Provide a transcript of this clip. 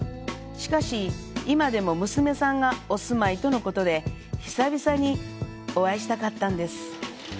しかし、今でも娘さんがお住まいとのことで、久々にお会いしたかったんです。